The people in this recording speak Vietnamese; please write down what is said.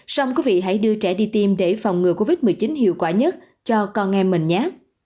xong quý vị hãy đưa trẻ đi tiêm để phòng ngừa covid một mươi chín hiệu quả nhất cho con em mình nhé